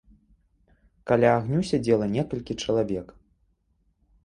Каля агню сядзела некалькі чалавек.